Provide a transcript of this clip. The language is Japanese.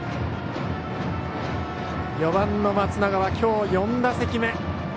４番の松永は今日４打席目。